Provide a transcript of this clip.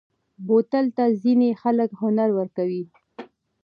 بوتل ته ځینې خلک هنر ورکوي.